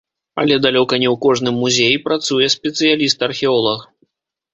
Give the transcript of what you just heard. Але далёка не ў кожным музеі працуе спецыяліст-археолаг.